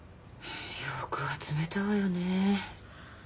よく集めたわよね。